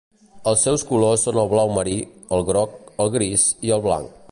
Els seus colors són el blau marí, el groc, el gris i el blanc.